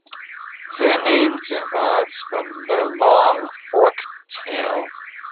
Their name derives from their long forked tail.